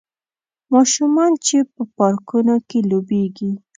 ماشومان چې په پارکونو کې لوبیږي